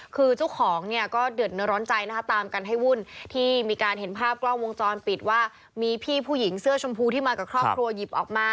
คือเจ้าของเนี่ยก็เดือดเนื้อร้อนใจนะคะตามกันให้วุ่นที่มีการเห็นภาพกล้องวงจรปิดว่ามีพี่ผู้หญิงเสื้อชมพูที่มากับครอบครัวหยิบออกมา